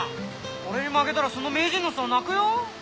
俺に負けたらその名人の竿泣くよ。